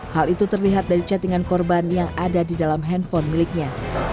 hal itu terlihat dari chattingan korban yang ada di dalam handphone miliknya